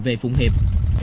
về phụng hiệp